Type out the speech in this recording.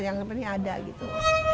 yang penting ada gitu